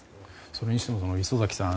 それにしても礒崎さん